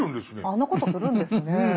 あんなことするんですね。